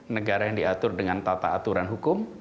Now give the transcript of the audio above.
negara yang diatur dengan tata aturan hukum